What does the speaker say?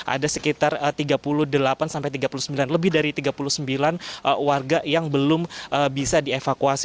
ada sekitar tiga puluh delapan sampai tiga puluh sembilan lebih dari tiga puluh sembilan warga yang belum bisa dievakuasi